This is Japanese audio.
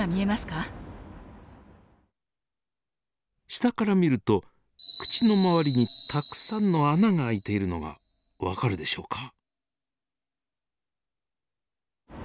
下から見ると口の周りにたくさんの穴が開いているのが分かるでしょうか？